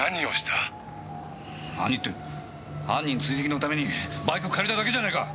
何って犯人追跡のためにバイク借りただけじゃないか！